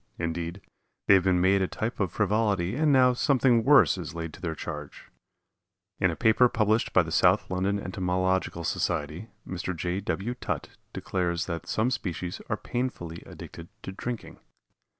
Indeed, they have been made a type of frivolity and now something worse is laid to their charge. In a paper published by the South London Entomological Society Mr. J. W. Tutt declares that some species are painfully addicted to drinking.